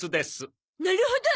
なるほど！